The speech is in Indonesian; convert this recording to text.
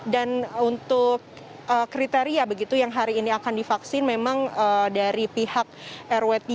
dan untuk kriteria begitu yang hari ini akan divaksin memang dari pihak rw tiga